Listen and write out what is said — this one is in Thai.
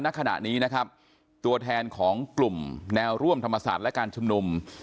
ณขณะนี้นะครับตัวแทนของกลุ่มแนวร่วมธรรมศาสตร์และการชุมนุม